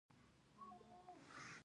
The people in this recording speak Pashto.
د ټولې روسيې يادونې د ځوان څېره بدله کړه.